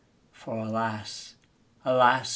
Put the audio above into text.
For, alas! alas!